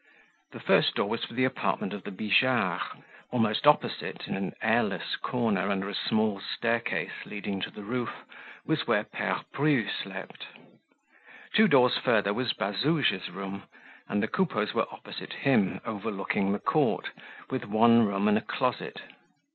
The first door was for the apartment of the Bijards. Almost opposite, in an airless corner under a small staircase leading to the roof, was where Pere Bru slept. Two doors further was Bazouge's room and the Coupeaus were opposite him, overlooking the court, with one room and a closet.